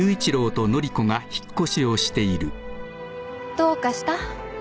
・・どうかした？